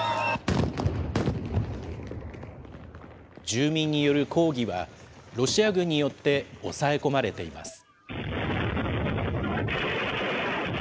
住民による抗議は、ロシア軍によって押さえ込まれています。